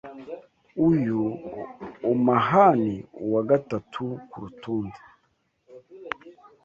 Uyu Omahani uwa gatatu kurutonde,